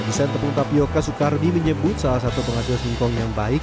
desain tepung tapioca soekardi menyebut salah satu penghasil singkong yang baik